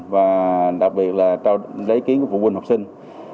và đặc biệt là trao lấy ý kiến của phụ huynh học sinh